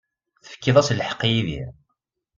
Tefkiḍ-as lḥeqq i Yidir.